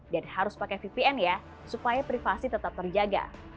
dan harus pakai vpn ya supaya privasi tetap terjaga